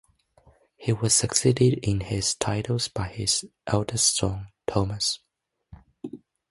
He was succeeded in his titles by his eldest son, Thomas.